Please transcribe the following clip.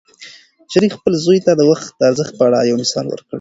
شریف خپل زوی ته د وخت د ارزښت په اړه یو مثال ورکړ.